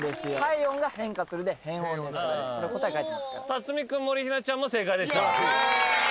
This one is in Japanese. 辰巳君もりひなちゃんも正解でした。